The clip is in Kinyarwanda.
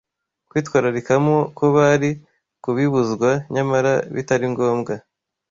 kwitwararikamo ko bari kubibuzwa nyamara bitari ngombwa